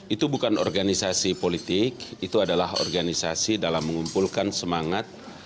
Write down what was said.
itu bukan organisasi politik itu adalah organisasi dalam mengumpulkan semangat